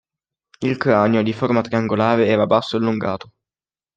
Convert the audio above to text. Il cranio, di forma triangolare, era basso e allungato.